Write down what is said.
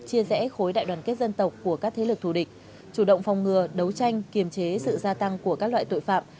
chia rẽ khối đại đoàn kết dân tộc của các thế lực thù địch chủ động phòng ngừa đấu tranh kiềm chế sự gia tăng của các loại tội phạm